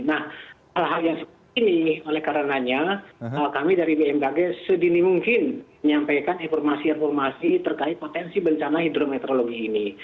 nah hal hal yang seperti ini oleh karenanya kami dari bmkg sedini mungkin menyampaikan informasi informasi terkait potensi bencana hidrometeorologi ini